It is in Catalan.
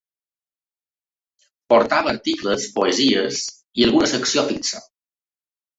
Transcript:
Portava articles, poesies i alguna secció fixa.